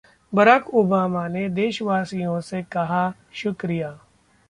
Barack Obama ने देशवासियों से कहा, 'शुक्रिया'